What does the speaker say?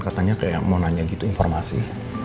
katanya kayak mau nanya gitu informasi